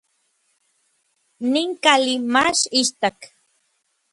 Nin kali mach istak.